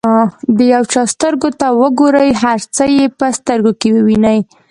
د یو چا سترګو ته وګورئ هر څه یې په سترګو کې ووینئ.